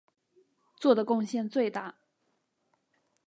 做的贡献最大。